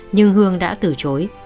nhưng hương đã từ chối